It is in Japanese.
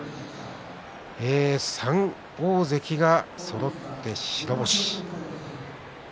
３大関がそろって白星です。